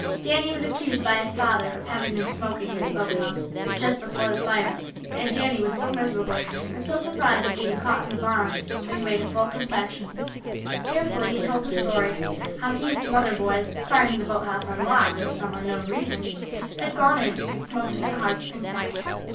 Danny was accused by his father of having been smoking in the boathouse just before the fire, and Danny was so miserable, and so surprised at being caught in the barn, that he made a full confession. Tearfully he told the story, how he and some other boys, finding the boat house unlocked, for some unknown reason, had gone in, and smoked to their heart's content.